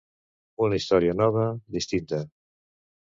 Una història nova, distinta.